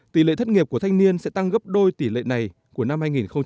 tỷ lệ thất nghiệp của thanh niên sẽ tăng gấp đôi tỷ lệ này của năm hai nghìn hai mươi